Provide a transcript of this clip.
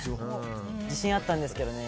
自信あったんですけどね。